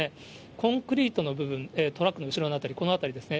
コンクリートの部分、トラックの後ろの辺り、この辺りですね。